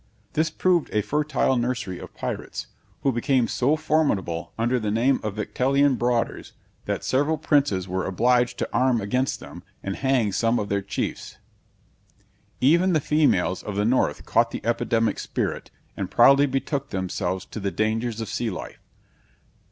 This proved a fertile nursery of pirates, who became so formidable under the name of "Victalien Broders," that several princes were obliged to arm against them, and hang some of their chiefs. Even the females of the North caught the epidemic spirit, and proudly betook themselves to the dangers of sea life.